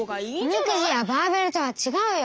おみくじやバーベルとはちがうよ！